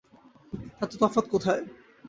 তাতে তফাৎ কোথায়?